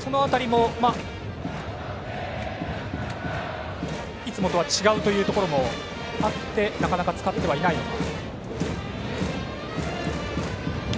その辺りも、いつもとは違うというところもあってなかなか使ってはいないのか。